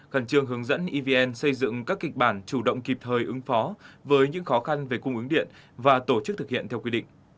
khẩn trương hướng dẫn evn xây dựng các kịch bản chủ động kịp thời ứng phó với những khó khăn về cung ứng điện và tổ chức thực hiện theo quy định